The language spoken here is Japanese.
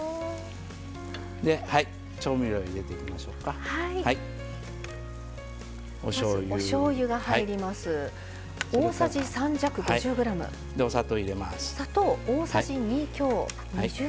調味料を入れていきましょうか。